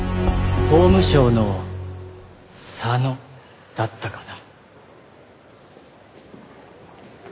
法務省の「さの」だったかな。